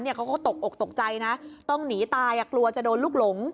เขาก็ตกอกตกใจนะต้องหนีตายกลัวจะโดนลูกหลง